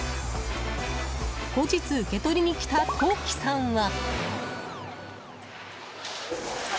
後日、受け取りに来た陶器さんは。